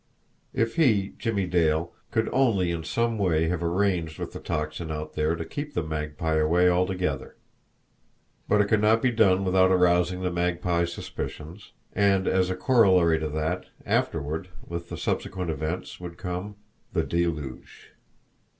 If he, Jimmie Dale, could only in some way have arranged with the Tocsin out there to keep the Magpie away altogether! But it could not be done without arousing the Magpie's suspicions; and, as a corollary to that, afterward, with the subsequent events, would come the deluge!